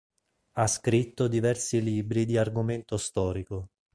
Ha scritto diversi libri di argomento storico.